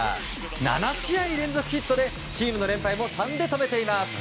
７試合連続ヒットでチームの連敗も３で止めています。